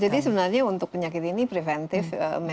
jadi sebenarnya untuk penyakit ini preventif